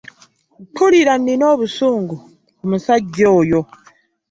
Mpulira nina obusungu ku musajja oyo.